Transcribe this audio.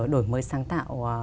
đổi mới sáng tạo